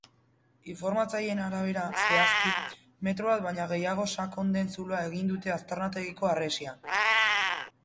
Informatzaileen arabera, zehazki, metro bat baino gehiago sakon den zuloa egin dute aztarnategiko harresian.